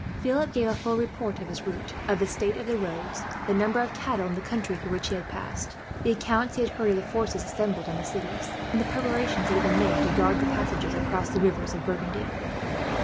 Philip gave a full report of his route, of the state of the roads, the number of cattle in the country through which he had passed, the accounts he had heard of the forces assembled in the cities, and the preparations that had been made to guard the passages across the rivers of Burgundy.